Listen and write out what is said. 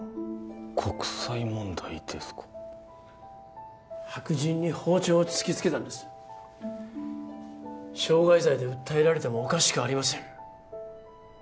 国際問題ですか白人に包丁を突きつけたんです傷害罪で訴えられてもおかしくありません